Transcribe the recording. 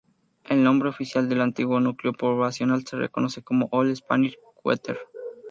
El nombre oficial del antiguo núcleo poblacional se conoce como "Old Spanish Quarter.